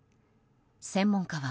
専門家は。